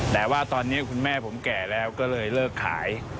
แต่ว่าตอนนี้คุณแม่ผมแก่แล้วก็เลยเลิกขาย